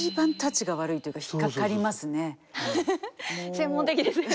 専門的ですね。